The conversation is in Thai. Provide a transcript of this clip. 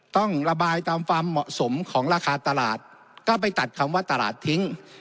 ต้องระบายตามความเหมาะสมของราคาตลาดก็ไปตัดคำว่าตลาดทิ้ง